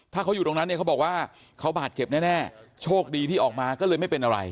ถ้าเขาอยู่ตรงนั้นเนี่ยเขาบอกว่าเขาบาดเจ็บแน่โชคดีที่ออกมาก็เลยไม่เป็นอะไร